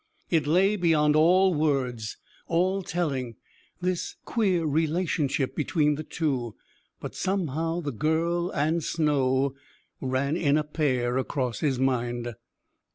It lay beyond all words, all telling, this queer relationship between the two; but somehow the girl and snow ran in a pair across his mind.